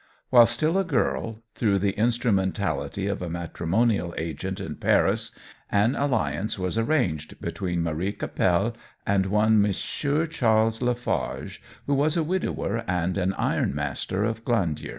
While still a girl, through the instrumentality of a matrimonial agent in Paris, an alliance was arranged between Marie Cappelle and one Monsieur Charles Lafarge, who was a widower and an ironmaster of Glandier.